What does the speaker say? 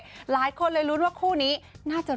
หลายคนเลยรู้นักว่าคู่นี้น่าจะโรคกันได้รึเปล่า